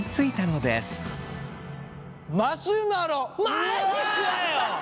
マジかよ！